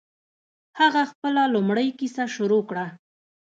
هغه خپله لومړۍ کیسه شروع کړه.